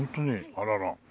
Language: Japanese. あらら。